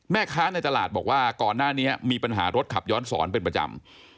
แม่ค้าในตลาดบอกว่าก่อนหน้านี้มีปัญหารถขับย้อนสอนเป็นประจำ